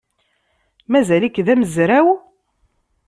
Mazal-ik d amezraw?